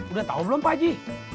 udah tau belum pak ji